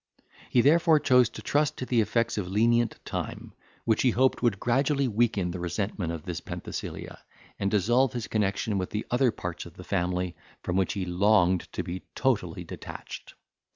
He therefore chose to trust to the effects of lenient time, which he hoped would gradually weaken the resentment of this Penthesilea, and dissolve his connexion with the other parts of the family, from which he longed to be totally detached.